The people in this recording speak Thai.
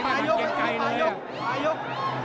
ป่ายยกป่ายยก